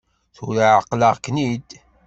Tura εeqleɣ-ken-id.